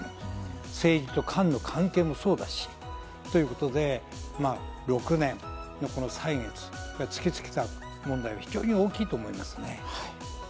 政治と官の関係もそうだし、６年の歳月が突きつけた問題は非常に大きいと思いますね。